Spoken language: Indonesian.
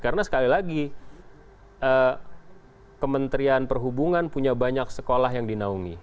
karena sekali lagi kementerian perhubungan punya banyak sekolah yang dinaungi